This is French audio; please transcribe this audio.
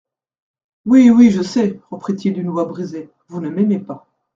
Oui, oui, je sais, reprit-il d'une voix brisée, vous ne m'aimez pas.